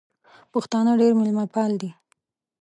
پښتانه ډېر مېلمه پال دي